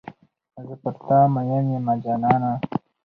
زه پر تا میین یمه جانانه.